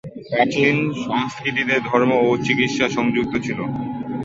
প্রাচীন সংস্কৃতিতে, ধর্ম এবং চিকিৎসা সংযুক্ত ছিল।